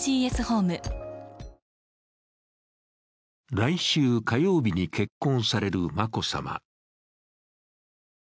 来週火曜日に結婚される眞子さま。